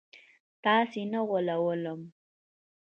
تاسي نه غولوم